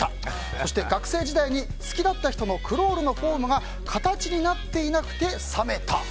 そして、学生時代に好きだった人のクロールのフォームが形になっていなくて冷めた。